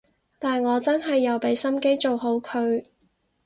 但我真係有畀心機做好佢